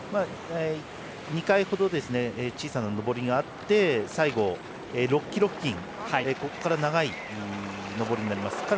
２回ほど小さな上りがあって最後６ｋｍ付近で長い上りになります。